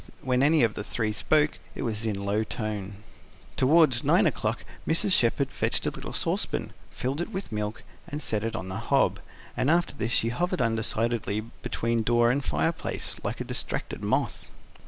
When any of the three spoke, it was in a low tone. Towards nine o'clock Mrs. Shepherd fetched a little saucepan, filled it with milk, and set it on the hob; and after this she hovered undecidedly between door and fireplace, like a distracted moth.